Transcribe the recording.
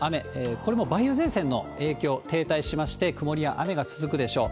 これも梅雨前線の影響、停滞しまして、曇りや雨が続くでしょう。